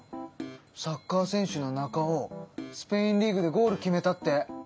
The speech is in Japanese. サッカー選手のナカオスペインリーグでゴール決めたって！